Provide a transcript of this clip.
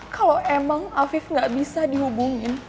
kalau emang afif gak bisa dihubungin